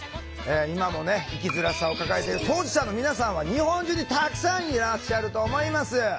今もね生きづらさを抱えている当事者の皆さんは日本中にたくさんいらっしゃると思います。